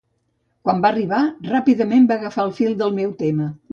Quan va arribar, ràpidament va agafar el fil del meu tema.